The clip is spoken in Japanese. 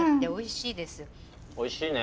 おいしいね！